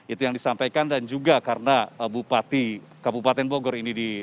itu yang disampaikan dan juga karena bupati kabupaten bogor ini di